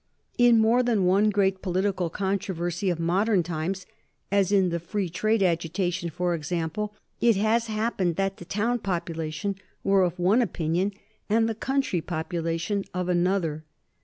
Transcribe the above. In more than one great political controversy of modern times, as in the free trade agitation for example, it has happened that the town population were of one opinion and the county population of another.